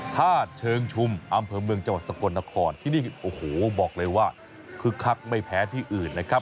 ธาตุเชิงชุมอำเภอเมืองจังหวัดสกลนครที่นี่โอ้โหบอกเลยว่าคึกคักไม่แพ้ที่อื่นนะครับ